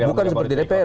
bukan seperti di dpr